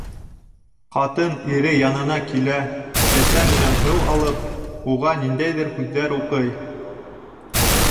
Ҡатын ире янына килә, кәсә менән һыу алып, уға ниндәйҙер һүҙҙәр уҡый.